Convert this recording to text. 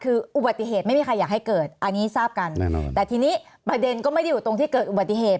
คืออุบัติเหตุไม่มีใครอยากให้เกิดอันนี้ทราบกันแน่นอนแต่ทีนี้ประเด็นก็ไม่ได้อยู่ตรงที่เกิดอุบัติเหตุ